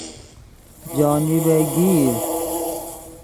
جانب گیر